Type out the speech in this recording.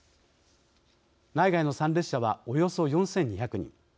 内外の参列者はおよそ４２００人。